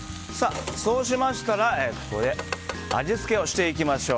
そうしましたら味付けをします。